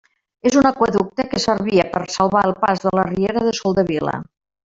És un aqüeducte que servia per salvar el pas de la riera de Soldevila.